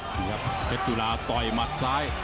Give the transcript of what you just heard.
แพทยุลาต่อยมัดซ้าย